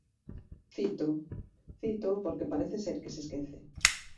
Cítoo, cítoo porque parece ser que se esquece.